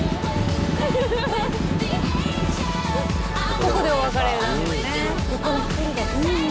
ここでお別れなんですね。